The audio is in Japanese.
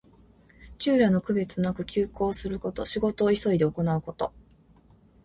昼夜の区別なく急行すること。仕事を急いで行うこと。